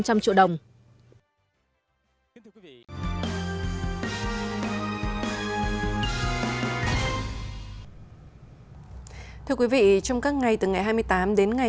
thưa quý vị trong các ngày từ ngày hai mươi tám đến ngày ba mươi tháng ba bộ trưởng bộ kế hoạch và đầu tư nguyễn trí dũng đã dẫn đầu đoàn công tác